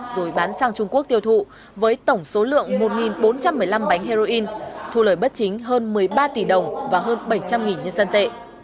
rồi bán sang trung quốc tiêu thụ với tổng số lượng một bốn trăm một mươi năm bánh heroin thu lời bất chính hơn một mươi ba tỷ đồng và hơn bảy trăm linh nhân dân tệ